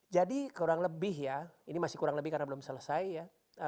jadi kurang lebih ya ini masih kurang lebih karena belum selesai ya